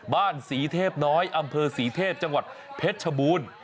บ้านศรีเทพน้อยอำเภอศรีเทพจังหวัดเพชรชบูรณ์